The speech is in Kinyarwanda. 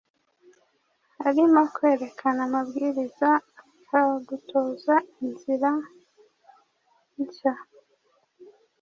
arimo kwerekana amabwiriza, akagutoza inzira nhya